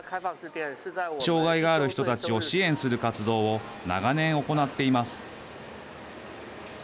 障害がある人たちを支援する活動を長年、行っています。